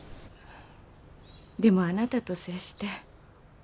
でもあなたと接して。